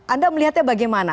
anda melihatnya bagaimana